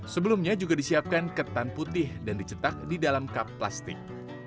sebelumnya juga disiapkan ketan putih dan dicetak di dalam kap plastik